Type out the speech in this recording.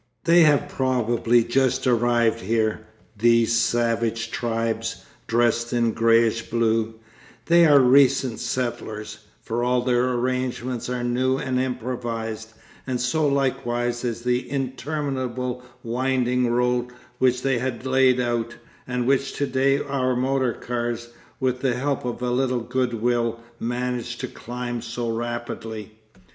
They have probably just arrived here, these savage tribes, dressed in greyish blue; they are recent settlers, for all their arrangements are new and improvised, and so likewise is the interminable winding road which they have laid out, and which to day our motor cars, with the help of a little goodwill, manage to climb so rapidly.